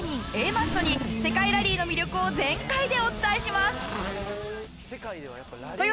マッソに世界ラリーの魅力を全開でお伝えします。